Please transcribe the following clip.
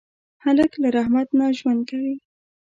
هلک له رحمت نه ژوند کوي.